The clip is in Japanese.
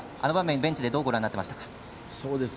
ベンチでどうご覧になりましたか。